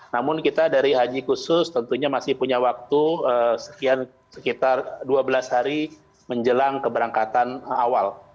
namun kita dari haji khusus tentunya masih punya waktu sekitar dua belas hari menjelang keberangkatan awal